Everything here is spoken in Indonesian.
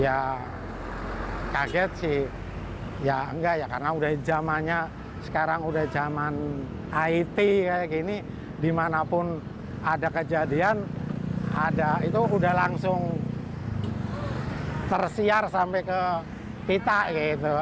ya kaget sih ya enggak ya karena udah zamannya sekarang udah zaman it kayak gini dimanapun ada kejadian ada itu udah langsung tersiar sampai ke kita gitu